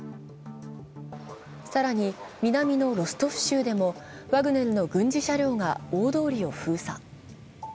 更に南のロストフ州でもワグネルの軍事車両が大通りを封鎖。